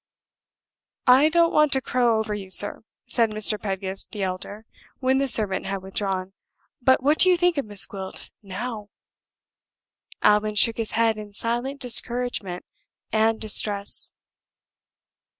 "I don't want to crow over you, sir," said Mr. Pedgift the elder, when the servant had withdrawn. "But what do you think of Miss Gwilt now?" Allan shook his head in silent discouragement and distress.